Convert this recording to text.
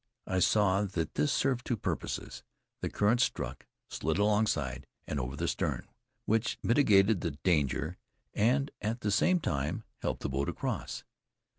I saw that this served two purposes: the current struck, slid alongside, and over the stern, which mitigated the danger, and at the same time helped the boat across.